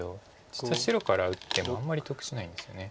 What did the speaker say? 実は白から打ってもあんまり得しないんですよね。